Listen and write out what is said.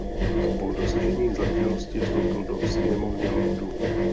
Po dosažení zletilosti vstoupil do Sněmovny lordů.